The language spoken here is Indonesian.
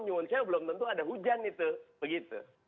nyungun saya belum tentu ada hujan itu begitu